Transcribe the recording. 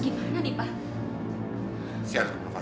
terus kita harus gimana dipa